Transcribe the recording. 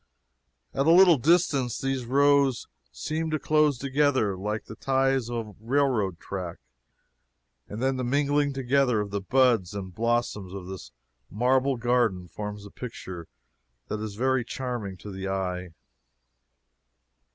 At a little distance these rows seem to close together like the ties of a railroad track, and then the mingling together of the buds and blossoms of this marble garden forms a picture that is very charming to the eye.